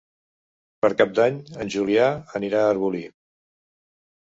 Per Cap d'Any en Julià anirà a Arbolí.